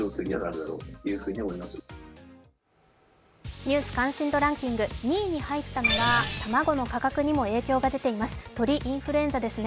「ニュース関心度ランキング」２位に入ったのは、卵の価格にも影響が出ています鳥インフルエンザですね。